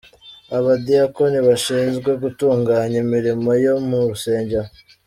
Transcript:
Abadiyakoni bashinzwe gutunganya imirimo yo mu rusengero.